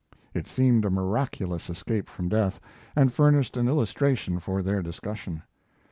It seemed a miraculous escape from death, and furnished an illustration for their discussion.